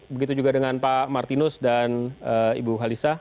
begitu juga dengan pak martinus dan ibu halisa